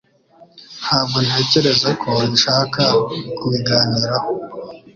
Ntabwo ntekereza ko nshaka kubiganiraho